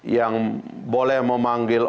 yang boleh memanggil